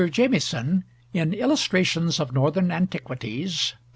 Jamieson, in Illustrations of Northern Antiquities (p.